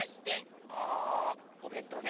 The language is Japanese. あおべんとうね。